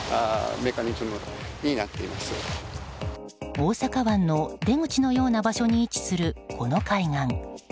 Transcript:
大阪湾の出口のような場所に位置する、この海岸。